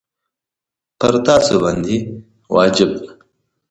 پر تاسي باندي واجبه ده.